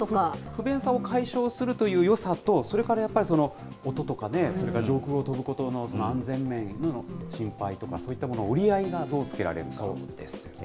不便さを解消するというよさと、それからやっぱり、音とかね、それから上空を飛ぶことによる安全面への心配とか、そういったものの折り合いがどうつけられるかですよね。